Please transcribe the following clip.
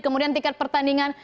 kemudian tiket pertandingan